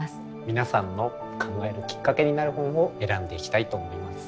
皆さんの考えるきっかけになる本を選んでいきたいと思います。